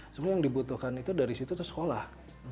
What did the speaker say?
sebenarnya yang dibutuhkan itu dari situ itu sekolah